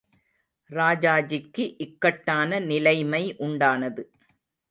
ராஜாஜிக்கு இக்கட்டான நிலைமை உண்டானது.